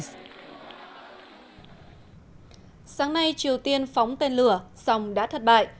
sáng nay triều tiên phóng tên lửa song đã thất bại